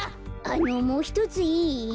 あのもうひとついい？